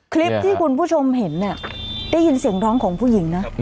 คลิปที่คุณผู้ชมเห็นเนี่ยได้ยินเสียงร้องของผู้หญิงนะ